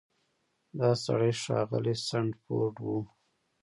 دا سړی ښاغلی سنډفورډ و.